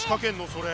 それ。